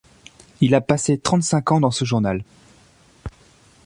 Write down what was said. Il a passé trente-cinq ans dans ce journal.